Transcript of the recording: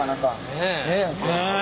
ねえ。